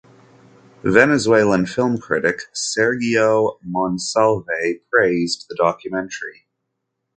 Venezuelan film critic Sergio Monsalve praised the documentary.